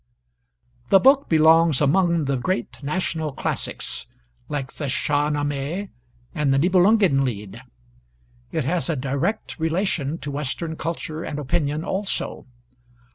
The book belongs among the great national classics, like the 'Shah nameh' and the 'Nibelungen Lied.' It has a direct relation to Western culture and opinion also.